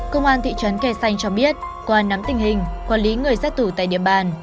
công an thị trấn kè xanh cho biết quân nắm tình hình quản lý người giác tù tại địa bàn